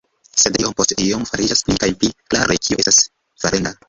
Sed iom post iom fariĝas pli kaj pli klare kio estas farenda.